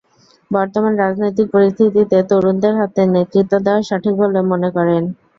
বর্তমান রাজনৈতিক পরিস্থিতিতে তরুণদের হাতে নেতৃত্ব দেওয়া সঠিক বলে তিনি মনে করেন।